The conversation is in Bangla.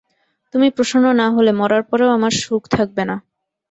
তুমি প্রসন্ন না হলে মরার পরেও আমার সুখ থাকবে না।